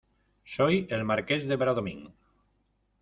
soy el Marqués de Bradomín.